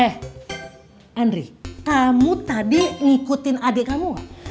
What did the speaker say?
eh andri kamu tadi ngikutin adik kamu gak